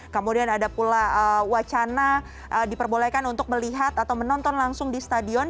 kemudian ada pula wacana diperbolehkan untuk melihat atau menonton langsung di stadion